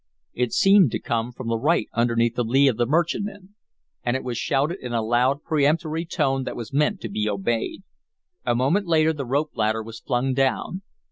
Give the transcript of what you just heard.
It seemed to come from right underneath the lee of the merchantman. And it was shouted in a loud, peremptory tone that was meant to be obeyed. A moment later the rope ladder was flung down.